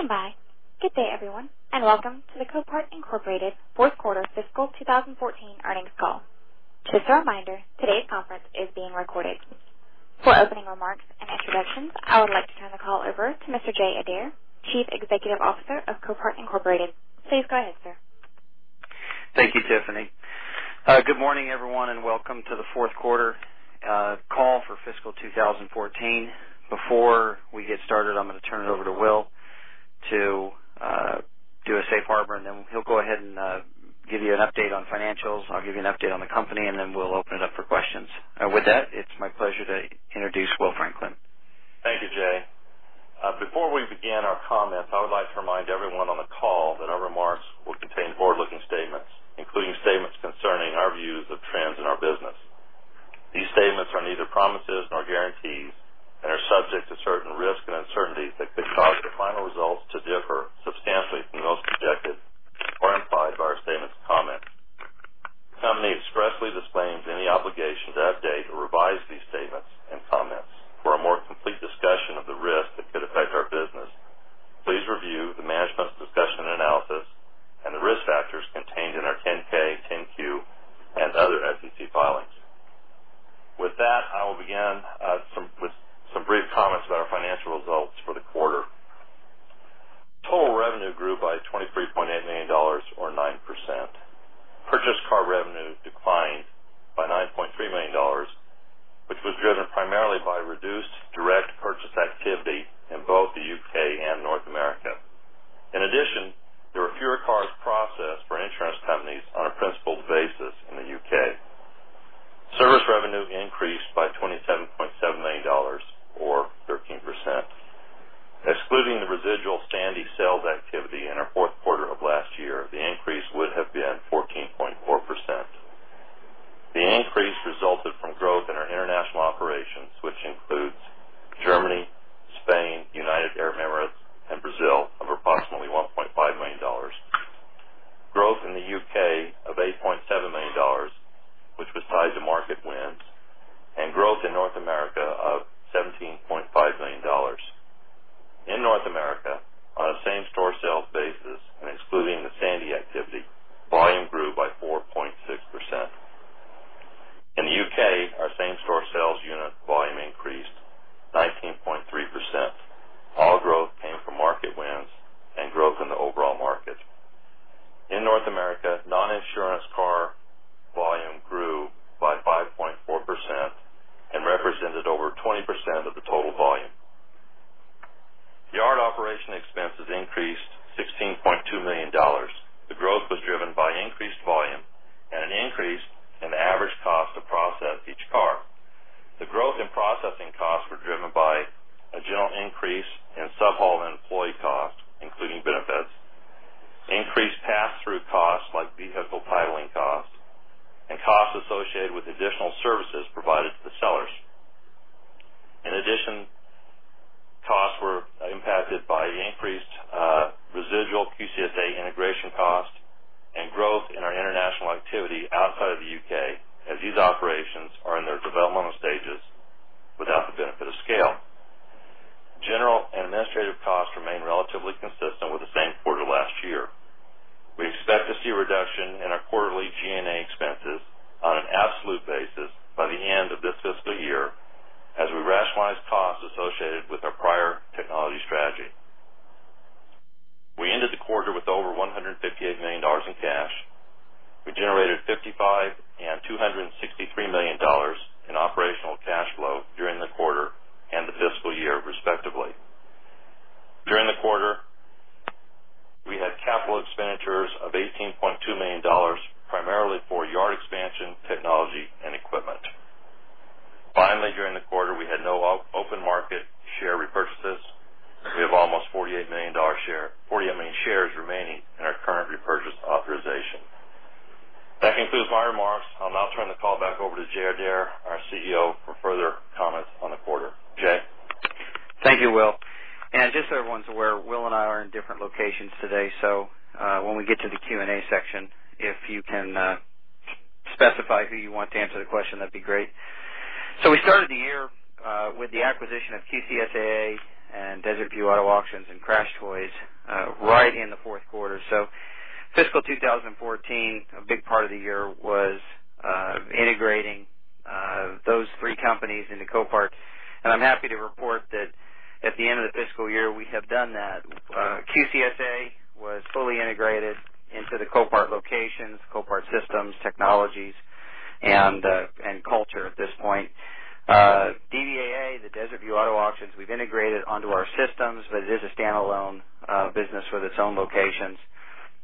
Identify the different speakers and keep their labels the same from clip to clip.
Speaker 1: Please stand by. Good day, everyone, and welcome to the Copart, Inc. fourth quarter fiscal 2014 earnings call. Just a reminder, today's conference is being recorded. For opening remarks and introductions, I would like to turn the call over to Mr. Jay Adair, Chief Executive Officer of Copart, Inc.. Please go ahead, sir.
Speaker 2: Thank you, Tiffany. Good morning, everyone. Welcome to the fourth quarter call for fiscal 2014. Before we get started, I'm going to turn it over to Will to do a safe harbor. He'll go ahead and give you an update on financials. I'll give you an update on the company. We'll open it up for questions. With that, it's my pleasure to introduce Will Franklin.
Speaker 3: Thank you, Jay. Before we begin our comments, I would like to remind everyone on the call that our remarks will contain forward-looking statements, including statements concerning our views of trends in our business. These statements are neither promises nor guarantees, are subject to certain risks and uncertainties that could cause the final results to differ substantially That concludes my remarks. I'll now turn the call back over to Jay Adair, our CEO, for further comments on the quarter. Jay.
Speaker 2: Thank you, Will. Just so everyone's aware, Will and I are in different locations today. When we get to the Q&A section, if you can specify who you want to answer the question, that'd be great. We started the year with the acquisition of QCSA and Desert View Auto Auctions and CrashedToys right in the fourth quarter. Fiscal 2014, a big part of the year was integrating those three companies into Copart. I'm happy to report that at the end of the fiscal year, we have done that. QCSA was fully integrated into the Copart locations, Copart systems, technologies, and culture at this point. DVAA, the Desert View Auto Auctions, we've integrated onto our systems, but it is a standalone business with its own locations,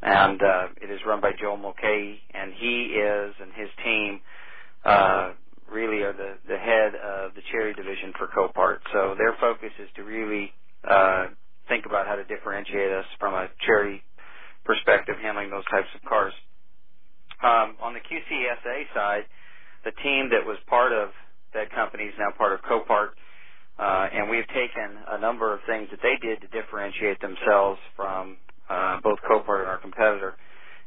Speaker 2: and it is run by Joe Mulcahy, and he and his team really are the head of the charity division for Copart. Their focus is to really think about how to differentiate us from a charity perspective, handling those types of cars. On the QCSA side, the team that was part of that company is now part of Copart, and we've taken a number of things that they did to differentiate themselves from both Copart and our competitor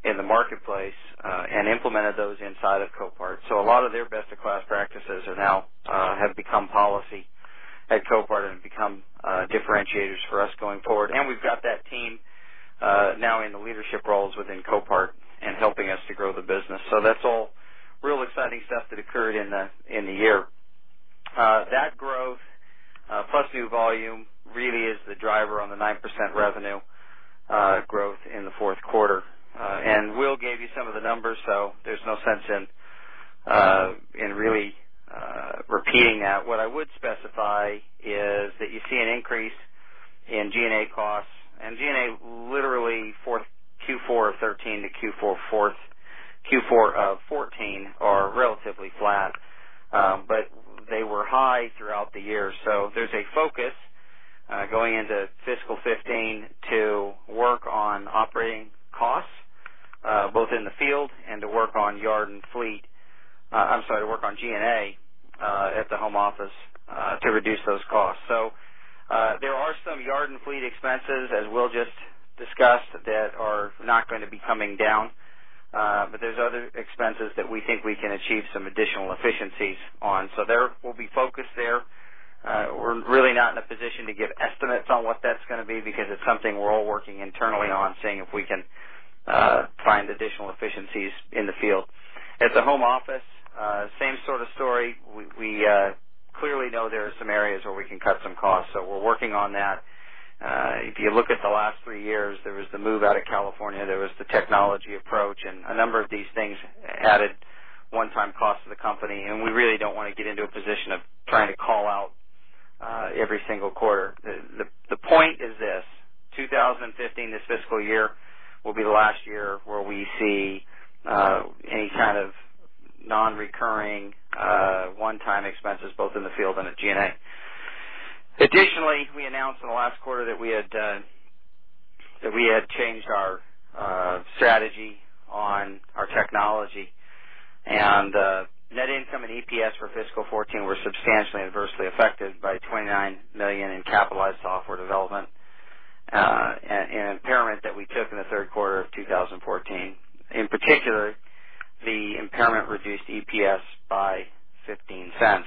Speaker 2: in the marketplace, and implemented those inside of Copart. A lot of their best-in-class practices now have become policy at Copart and have become differentiators for us going forward. We've got that team now in the leadership roles within Copart and helping us to grow the business. That's all real exciting stuff that occurred in the year. That growth, plus new volume, really is the driver on the 9% revenue growth in the fourth quarter. Will gave you some of the numbers, there's no sense in really repeating that. What I would specify is that you see an increase in G&A costs, and G&A, literally, Q4 of 2013 to Q4 of 2014, are relatively flat. They were high throughout the year. There's a focus, going into fiscal 2015, to work on operating costs, both in the field and to work on G&A at the home office to reduce those costs. There are some yard and fleet expenses, as Will just discussed, that are not going to be coming down. There's other expenses that we think we can achieve some additional efficiencies on. There will be focus there. We're really not in a position to give estimates on what that's going to be, because it's something we're all working internally on, seeing if we can find additional efficiencies in the field. At the home office, same sort of story. We clearly know there are some areas where we can cut some costs. We're working on that. If you look at the last three years, there was the move out of California, there was the technology approach, and a number of these things added one-time cost to the company, and we really don't want to get into a position of trying to call out every single quarter. The point is this, 2015, this fiscal year, will be the last year where we see any kind of non-recurring, one-time expenses, both in the field and at G&A. Additionally, we announced in the last quarter that we had changed our strategy on our technology, and net income and EPS for fiscal 2014 were substantially adversely affected by $29 million in capitalized software development, and an impairment that we took in the third quarter of 2014. In particular, the impairment reduced EPS by $0.15.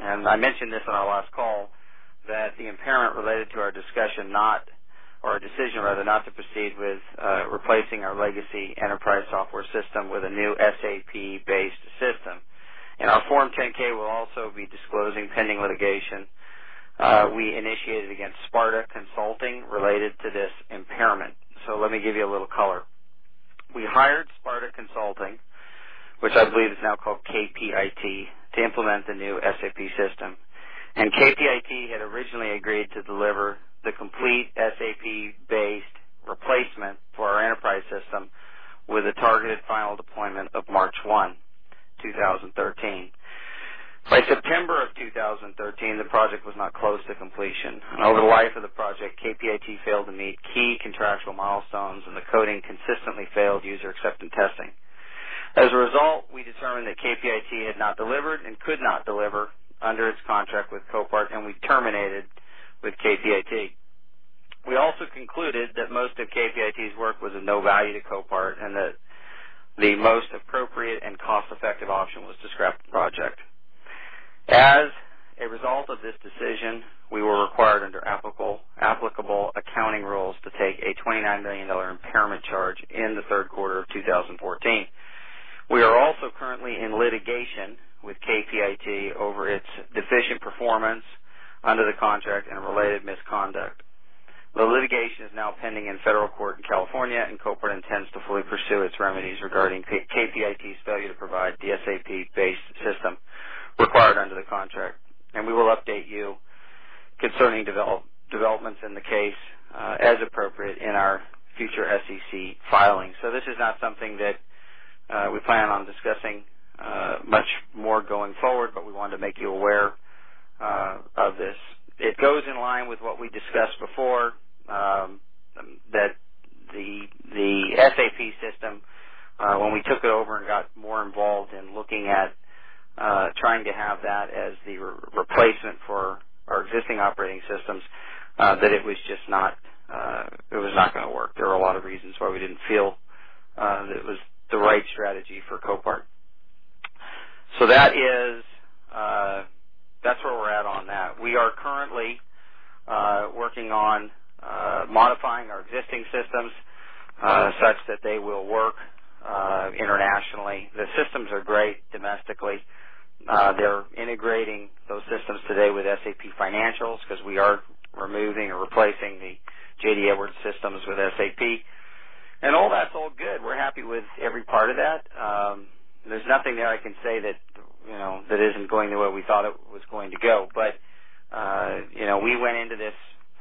Speaker 2: I mentioned this on our last call, that the impairment related to our decision not to proceed with replacing our legacy enterprise software system with a new SAP-based system. In our Form 10-K, we'll also be disclosing pending litigation we initiated against Sparta Consulting related to this impairment. Let me give you a little color. We hired Sparta Consulting, which I believe is now called KPIT, to implement the new SAP system. KPIT had originally agreed to deliver the complete SAP-based replacement for our enterprise system with a targeted final deployment of March 1, 2013. By September of 2013, the project was not close to completion. Over the life of the project, KPIT failed to meet key contractual milestones, and the coding consistently failed user acceptance testing. As a result, we determined that KPIT had not delivered and could not deliver under its contract with Copart, and we terminated with KPIT. We also concluded that most of KPIT's work was of no value to Copart, and that the most appropriate and cost-effective option was to scrap the project. As a result of this decision, we were required under applicable accounting rules to take a $29 million impairment charge in the third quarter of 2014. We are also currently in litigation with KPIT over its deficient performance under the contract and related misconduct. The litigation is now pending in federal court in California, Copart intends to fully pursue its remedies regarding KPIT's failure to provide the SAP-based system required under the contract. We will update you concerning developments in the case as appropriate in our future SEC filings. This is not something that we plan on discussing much more going forward, but we wanted to make you aware of this. It goes in line with what we discussed before, that the SAP system, when we took it over and got more involved in looking at trying to have that as the replacement for our existing operating systems, that it was not going to work. There were a lot of reasons why we didn't feel that it was the right strategy for Copart. That's where we're at on that. We are currently working on modifying our existing systems such that they will work internationally. The systems are great domestically. They're integrating those systems today with SAP financials because we are removing or replacing the J.D. Edwards systems with SAP. All that's all good. We're happy with every part of that. There's nothing there I can say that isn't going the way we thought it was going to go. We went into this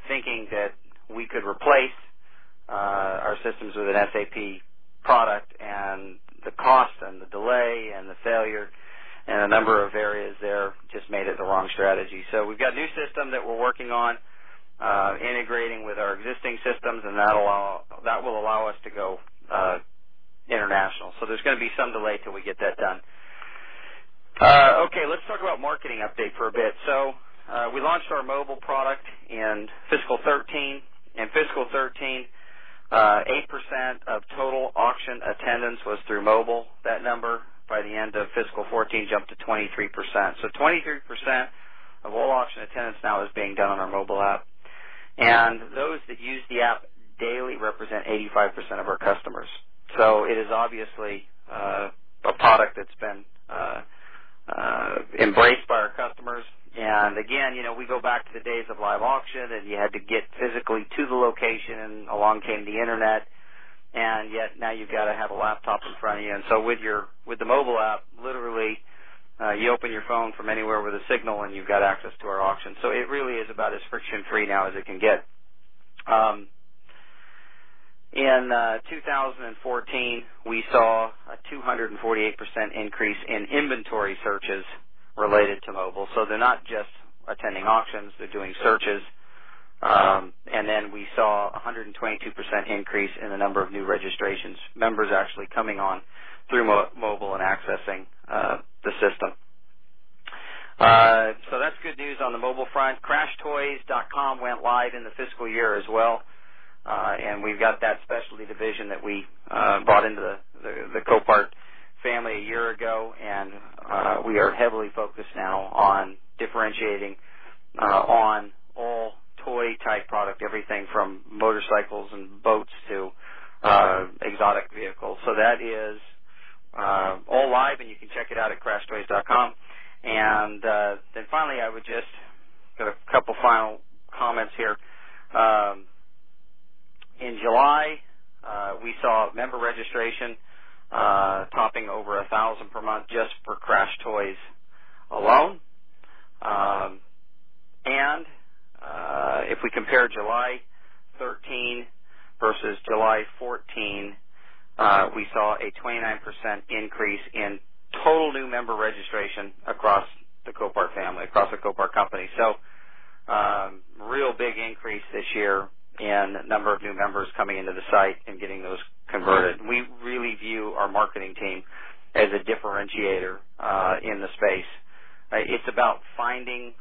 Speaker 2: thinking that we could replace our systems with an SAP product, and the cost and the delay and the failure and a number of areas there just made it the wrong strategy. We've got a new system that we're working on, integrating with our existing systems, and that will allow us to go international. There's going to be some delay till we get that done. Okay, let's talk about marketing update for a bit. We launched our mobile product in fiscal 2013. In fiscal 2013, 8% of total auction attendance was through mobile. That number, by the end of fiscal 2014, jumped to 23%. 23% of all auction attendance now is being done on our mobile app. Those that use the app daily represent 85% of our customers. It is obviously a product that's been embraced by our customers. Again, we go back to the days of live auction, and you had to get physically to the location, and along came the internet. Yet now you've got to have a laptop in front of you. With the mobile app, literally, you open your phone from anywhere with a signal, and you've got access to our auction. It really is about as friction-free now as it can get. In 2014, we saw a 248% increase in inventory searches related to mobile. They're not just attending auctions, they're doing searches. We saw 122% increase in the number of new registrations, members actually coming on through mobile and accessing the system. That's good news on the mobile front. crashedtoys.com went live in the fiscal year as well. We've got that specialty division that we brought into the Copart family a year ago, and we are heavily focused now on differentiating on all toy-type product, everything from motorcycles and boats to exotic vehicles. That is all live, and you can check it out at crashedtoys.com. Finally, I would just got a couple final comments here. In July, we saw member registration topping over 1,000 per month just for CrashedToys alone. If we compare July 2013 versus July 2014, we saw a 29% increase in total new member registration across the Copart family, across the Copart company. Real big increase this year in the number of new members coming into the site and getting those converted. We really view our marketing team as a differentiator in the space. It's about finding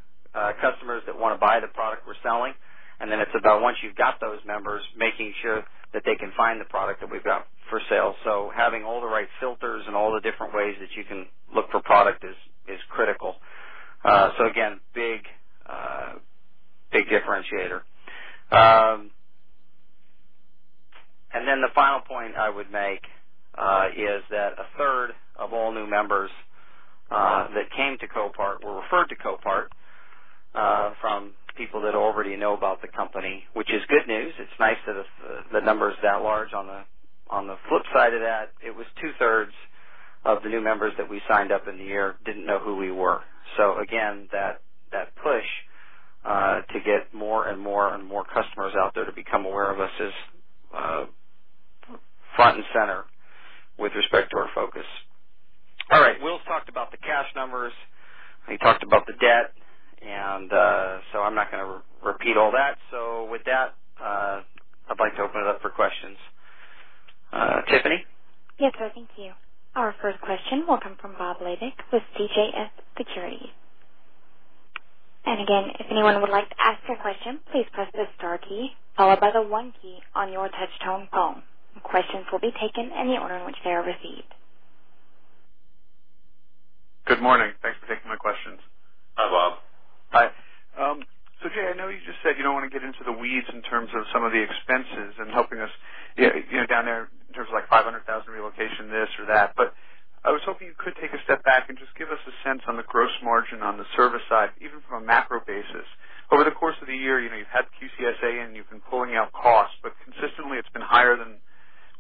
Speaker 2: customers that want to buy the product we're selling, then it's about once you've got those members, making sure that they can find the product that we've got for sale. Having all the right filters and all the different ways that you can look for product is critical. Again, big differentiator. The final point I would make is that a third of all new members that came to Copart were referred to Copart from people that already know about the company, which is good news. It's nice that the number's that large. On the flip side of that, it was two-thirds of the new members that we signed up in the year didn't know who we were. Again, that push to get more and more customers out there to become aware of us is front and center with respect to our focus. All right. Will's talked about the cash numbers. He talked about the debt. I'm not going to repeat all that. With that, I'd like to open it up for questions. Tiffany?
Speaker 1: Yes, sir. Thank you. Our first question will come from Bob Labick with CJS Securities. Again, if anyone would like to ask a question, please press the star key, followed by the one key on your touch-tone phone. Questions will be taken in the order in which they are received.
Speaker 4: Good morning. Thanks for taking my questions.
Speaker 2: Hi, Bob.
Speaker 4: Hi. Jay, I know you just said you don't want to get into the weeds in terms of some of the expenses and helping us down there in terms of, like, $500,000 relocation, this or that. I was hoping you could take a step back and just give us a sense on the gross margin on the service side, even from a macro basis. Over the course of the year, you've had QCSA, and you've been pulling out costs, but consistently, it's been higher than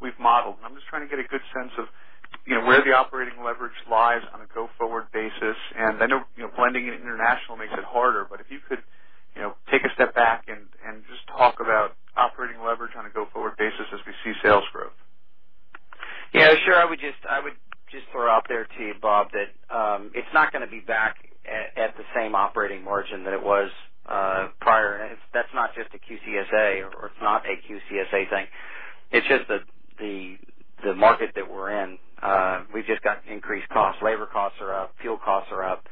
Speaker 4: we've modeled. I'm just trying to get a good sense of where the operating leverage lies on a go-forward basis. I know blending in international makes it harder, but if you could take a step back and just talk about operating leverage on a go-forward basis as we see sales growth.
Speaker 2: Yeah, sure. I would just throw out there to you, Bob, that it's not going to be back at the same operating margin that it was prior. That's not just a QCSA or it's not a QCSA thing. It's just the market that we're in. We've just got increased costs. Labor costs are up. Fuel costs are up.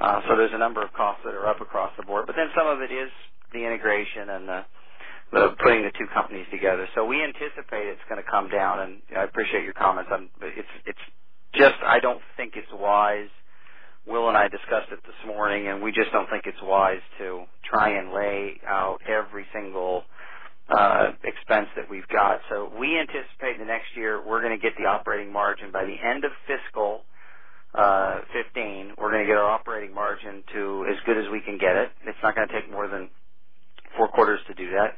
Speaker 2: There's a number of costs that are up across the board. Some of it is the integration and the putting the two companies together. We anticipate it's going to come down, and I appreciate your comments on It's just I don't think it's wise. Will and I discussed it this morning, and we just don't think it's wise to try and lay out every single expense that we've got. We anticipate the next year, we're going to get the operating margin by the end of fiscal 2015. We're going to get our operating margin to as good as we can get it. It's not going to take more than four quarters to do that.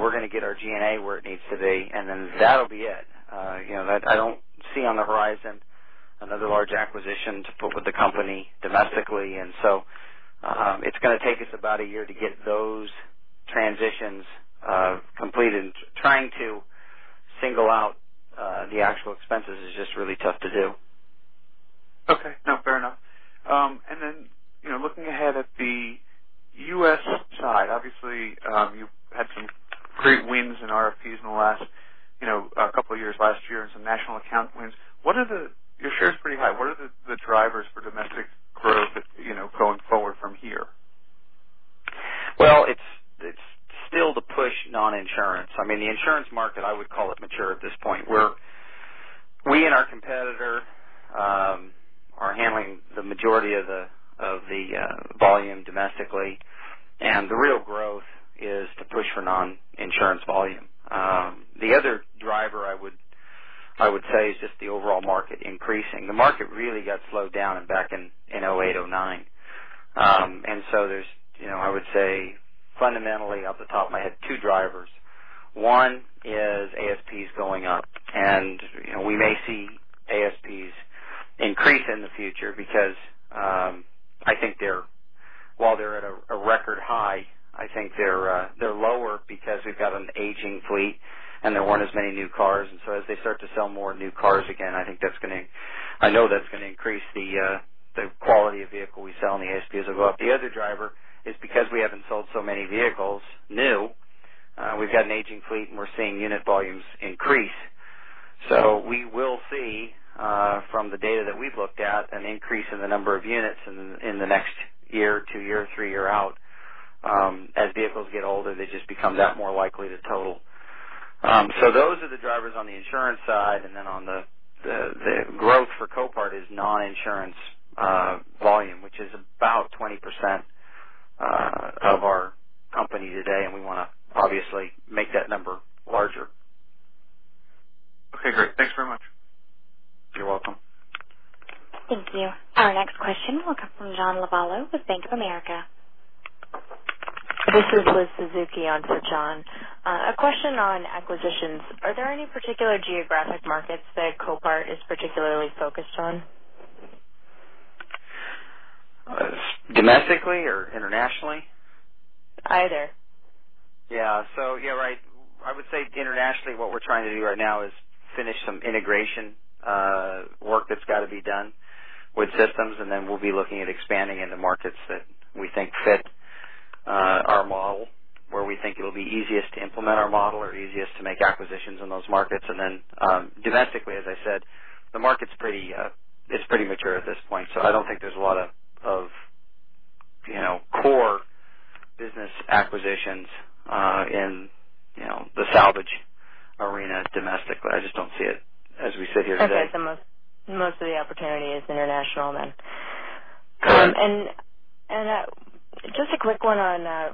Speaker 2: We're going to get our G&A where it needs to be, that'll be it. I don't see on the horizon another large acquisition to put with the company domestically. It's going to take us about a year to get those transitions completed. Trying to single out the actual expenses is just really tough to do.
Speaker 4: Okay. No, fair enough. Looking ahead at the U.S. side, obviously, you've had some great wins in RFPs in the last couple of years, last year, and some national account wins. Your share is pretty high. What are the drivers for domestic growth going forward from here?
Speaker 2: Well, it's still the push non-insurance. The insurance market, I would call it mature at this point, where we and our competitor are handling the majority of the volume domestically, and the real growth is to push for non-insurance volume. The other driver, I would say, is just the overall market increasing. The market really got slowed down back in 2008, 2009. There's, I would say, fundamentally off the top of my head, two drivers. One is ASPs going up, and we may see ASPs increase in the future because while they're at a record high, I think they're lower because we've got an aging fleet, and there weren't as many new cars. As they start to sell more new cars again, I know that's going to increase the quality of vehicle we sell, and the ASPs will go up. The other driver is because we haven't sold so many vehicles new, we've got an aging fleet, and we're seeing unit volumes increase. We will see, from the data that we've looked at, an increase in the number of units in the next year, two year, three year out. As vehicles get older, they just become that more likely to total. Those are the drivers on the insurance side, and then on the growth for Copart is non-insurance volume, which is about 20% of our company today, and we want to obviously make that number larger.
Speaker 4: Okay, great. Thanks very much.
Speaker 2: You're welcome.
Speaker 1: Thank you. Our next question will come from John Lovallo with Bank of America.
Speaker 5: This is Elizabeth Suzuki on for John. A question on acquisitions. Are there any particular geographic markets that Copart is particularly focused on?
Speaker 2: Domestically or internationally?
Speaker 5: Either.
Speaker 2: Yeah. Yeah, I would say internationally, what we're trying to do right now is finish some integration work that's got to be done with systems, and then we'll be looking at expanding into markets that we think fit our model, where we think it'll be easiest to implement our model or easiest to make acquisitions in those markets. Domestically, as I said, the market is pretty mature at this point. I don't think there's a lot of core business acquisitions in the salvage arena domestically. I just don't see it as we sit here today.
Speaker 5: Okay. Most of the opportunity is international then.
Speaker 2: Correct.
Speaker 5: Just a quick one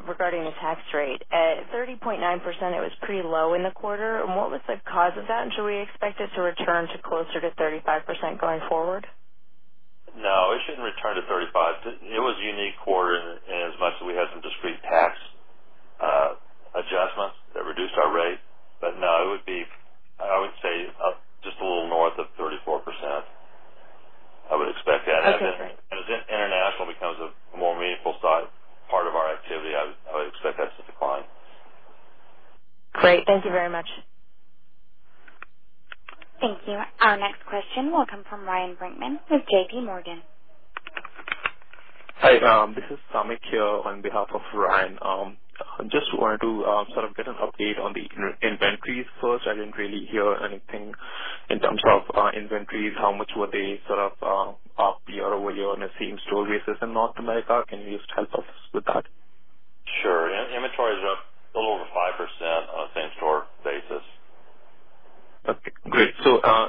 Speaker 5: regarding the tax rate. At 30.9%, it was pretty low in the quarter. What was the cause of that? Should we expect it to return to closer to 35% going forward?
Speaker 2: No, it shouldn't return to 35%. It was a unique quarter inasmuch as we had some discrete tax adjustments that reduced our rate. No, it would be, I would say, up just a little north of 34%. I would expect that.
Speaker 5: Okay, great.
Speaker 2: As international becomes a more meaningful part of our activity, I would expect that to decline.
Speaker 5: Great. Thank you very much.
Speaker 1: Thank you. Our next question will come from Ryan Brinkman with JPMorgan.
Speaker 6: Hi, this is Samik here on behalf of Ryan. Wanted to get an update on the inventories first. I didn't hear anything in terms of inventories, how much were they up year-over-year on a same-store basis in North America. Can you help us with that?
Speaker 2: Sure. Inventory is up a little over 5% on a same-store basis.
Speaker 6: Okay, great.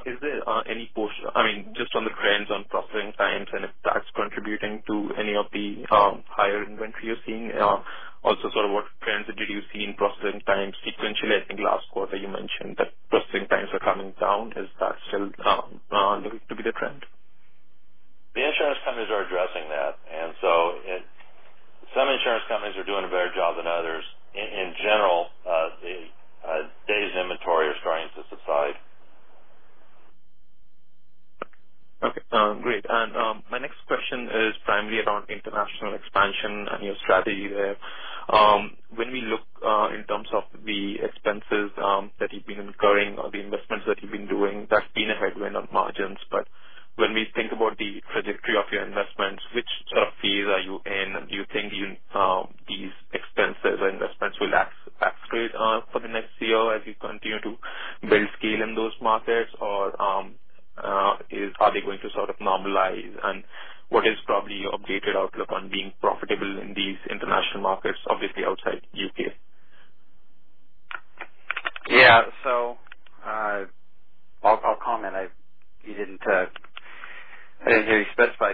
Speaker 6: Is there any push, on the trends on processing times, and if that's contributing to any of the higher inventory you're seeing? What trends did you see in processing times sequentially? I think last quarter you mentioned that processing times are coming down. Is that still looking to be the trend?
Speaker 2: The insurance companies are addressing that, some insurance companies are doing a better job than others. In general, the days inventory are starting to subside.
Speaker 6: Okay, great. My next question is primarily around international expansion and your strategy there. When we look in terms of the expenses that you've been incurring or the investments that you've been doing, that's been a headwind on margins. When we think about the trajectory of your investments, which sort of phase are you in? Do you think these expenses or investments will escalate for the next year as you continue to build scale in those markets? Or are they going to sort of normalize? What is probably your updated outlook on being profitable in these international markets, obviously outside U.K.?
Speaker 2: Yeah. I'll comment. You didn't really specify.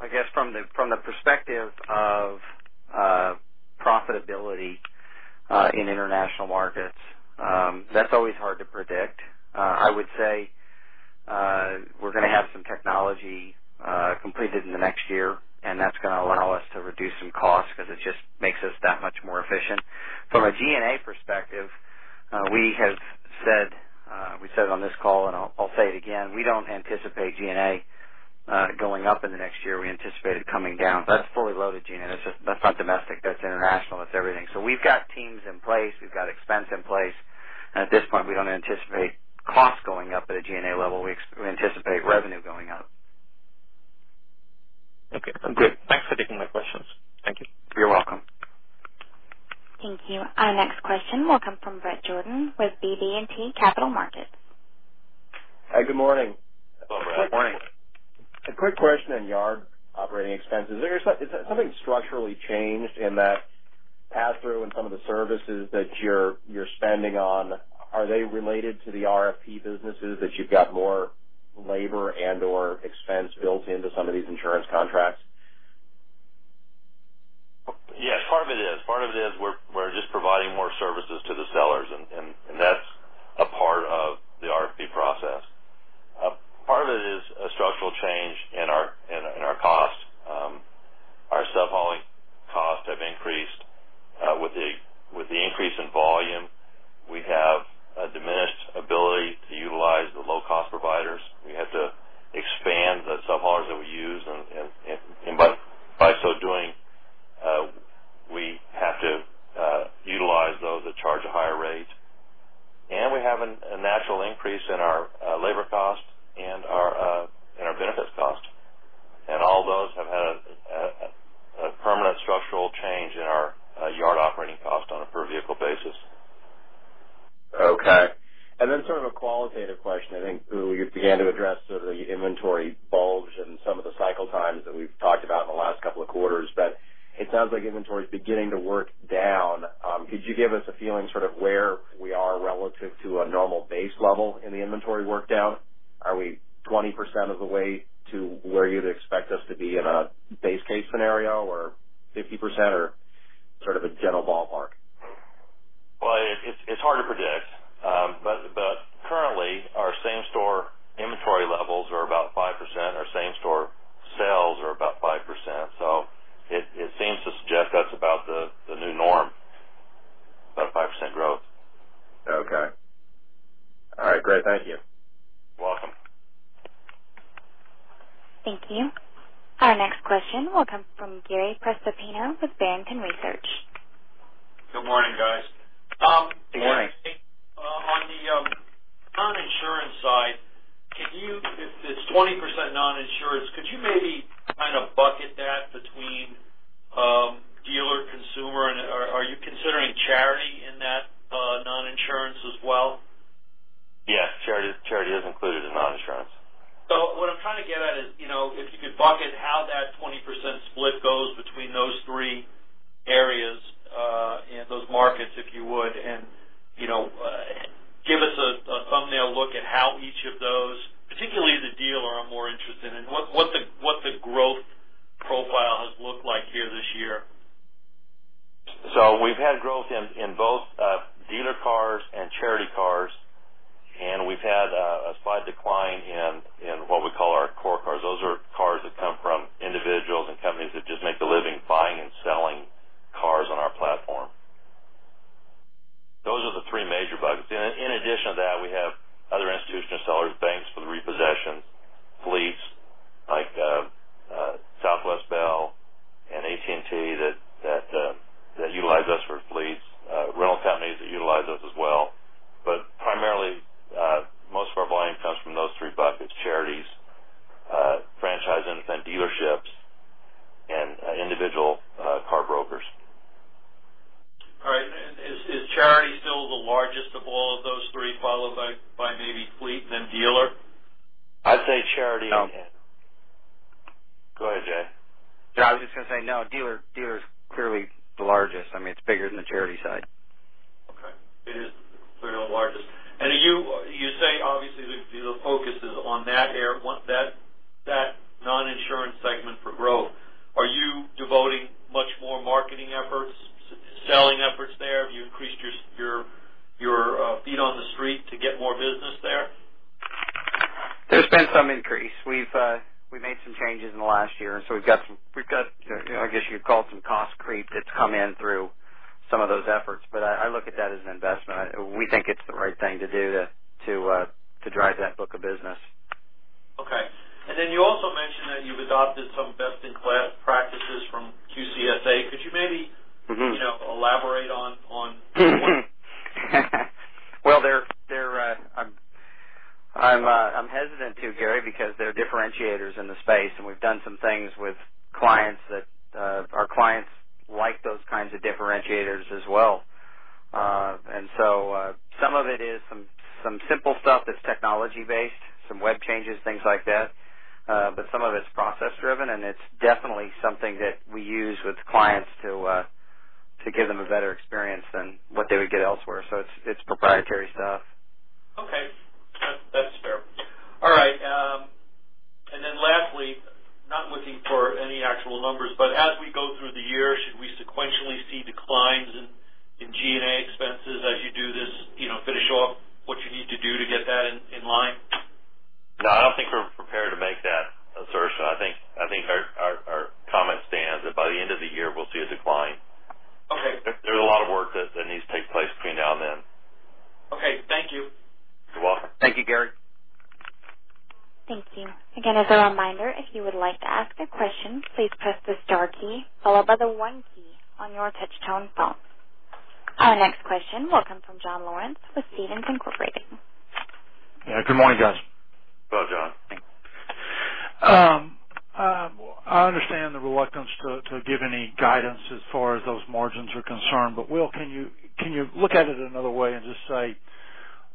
Speaker 2: I guess from the perspective of profitability in international markets, that's always hard to predict. I would say we're going to have some technology completed in the next year, and that's going to allow us to reduce some costs because it just makes us that much more efficient. From a G&A perspective, we said on this call, and I'll say it again, we don't anticipate G&A going up in the next year. We anticipate it coming down. That's fully loaded G&A. That's not domestic, that's international, that's everything. We've got teams in place. We've got expense in place. At this point, we don't anticipate costs going up at a G&A level. We anticipate revenue going up. Okay, great. Thanks for taking my questions. Thank you.
Speaker 3: You're welcome.
Speaker 1: Thank you. Our next question will come from Bret Jordan with BB&T Capital Markets.
Speaker 7: Hi, good morning.
Speaker 3: Hello, Bret. Morning.
Speaker 7: A quick question on yard operating expenses. Has something structurally changed in that pass-through in some of the services that you're spending on? Are they related to the RFP businesses that you've got more labor and/or expense built into some of these insurance contracts?
Speaker 3: Yes, part of it is. Part of it is we're just providing more services to the sellers, and that's a part of the RFP process. Part of it is a structural change in our costs. Our sub-hauling costs have increased. With the increase in volume, we have a diminished ability to utilize the low-cost providers. We have to expand the sub-haulers that we use, and by so doing, we have to utilize those that charge higher rates. We have a natural increase in our labor
Speaker 8: What I'm trying to get at is, if you could bucket how that 20% split goes between those three areas in those markets, if you would, and give us a thumbnail look at how each of those, particularly the dealer I'm more interested in, and what the growth profile has looked like here this year.
Speaker 3: We've had growth in both dealer cars and charity cars, and we've had a slight decline in what we call our core cars. comment stands that by the end of the year, we'll see a decline.
Speaker 8: Okay.
Speaker 3: There's a lot of work that needs to take place between now and then.
Speaker 8: Okay. Thank you.
Speaker 3: You're welcome.
Speaker 2: Thank you, Gary.
Speaker 1: Thank you. Again, as a reminder, if you would like to ask a question, please press the star key followed by the one key on your touch-tone phone. Our next question will come from John Lawrence with Stephens Inc..
Speaker 9: Yeah. Good morning, guys.
Speaker 3: Good, John.
Speaker 9: I understand the reluctance to give any guidance as far as those margins are concerned. Will, can you look at it another way and just say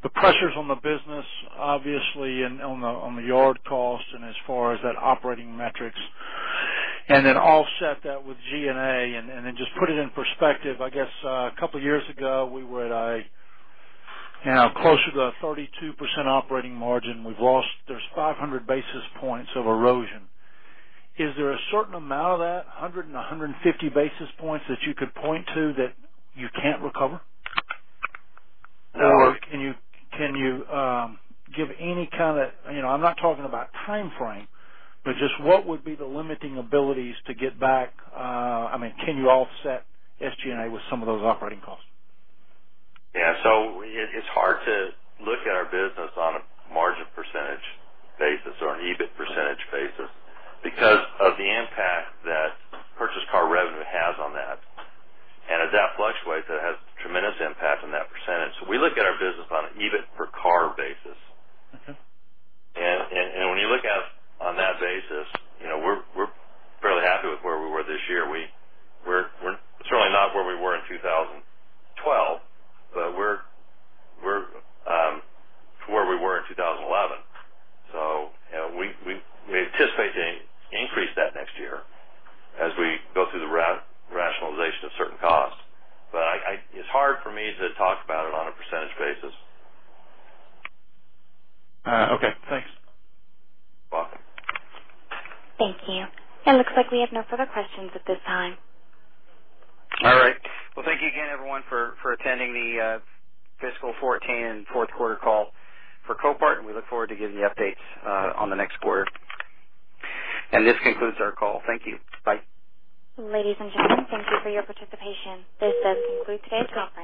Speaker 9: the pressures on the business, obviously on the yard cost and as far as that operating metrics, then offset that with G&A and then just put it in perspective? I guess, a couple of years ago, we were at closer to a 32% operating margin. There's 500 basis points of erosion. Is there a certain amount of that, 100 and 150 basis points, that you could point to that you can't recover?
Speaker 3: No.
Speaker 9: Can you give any kind of I'm not talking about timeframe, but just what would be the limiting abilities to get back? Can you offset SG&A with some of those operating costs?
Speaker 3: It's hard to look at our business on a margin percentage basis or an EBIT percentage basis because of the impact that purchase car revenue has on that. As that fluctuates, that has a tremendous impact on that percentage. We look at our business on an EBIT per car basis.
Speaker 9: Okay.
Speaker 3: When you look on that basis, we're fairly happy with where we were this year. We're certainly not where we were in 2012, but we're to where we were in 2011. We anticipate to increase that next year as we go through the rationalization of certain costs. It's hard for me to talk about it on a percentage basis.
Speaker 9: Okay, thanks.
Speaker 3: You're welcome.
Speaker 1: Thank you. It looks like we have no further questions at this time.
Speaker 3: All right. Well, thank you again, everyone, for attending the fiscal 2014 fourth quarter call for Copart, and we look forward to giving you updates on the next quarter. This concludes our call. Thank you. Bye.
Speaker 1: Ladies and gentlemen, thank you for your participation. This does conclude today's conference.